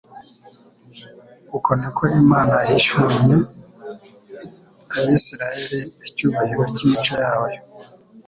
Uko niko Imana yahishunye Abisiraeli icyubahiro cy'imico yayo